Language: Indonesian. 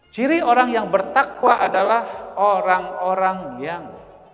ciri orang yang bertakwa adalah orang orang yang